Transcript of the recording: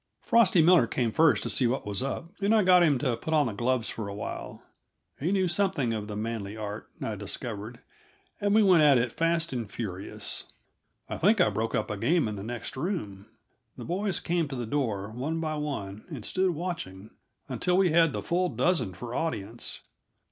Frosty Miller came first to see what was up, and I got him to put on the gloves for awhile; he knew something of the manly art, I discovered, and we went at it fast and furious. I think I broke up a game in the next room. The boys came to the door, one by one, and stood watching, until we had the full dozen for audience.